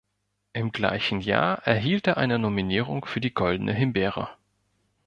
Im gleichen Jahr erhielt er eine Nominierung für die Goldene Himbeere.